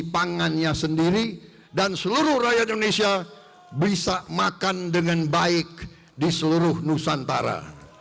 pangannya sendiri dan seluruh rakyat indonesia bisa makan dengan baik di seluruh nusantara